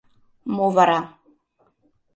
— Мо вара.